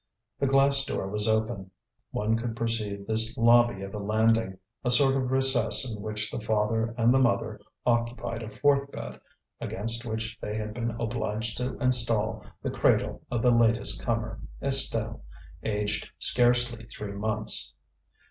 The glass door was open; one could perceive the lobby of a landing, a sort of recess in which the father and the mother occupied a fourth bed, against which they had been obliged to install the cradle of the latest comer, Estelle, aged scarcely three months.